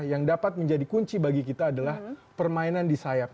yang dapat menjadi kunci bagi kita adalah permainan di sayap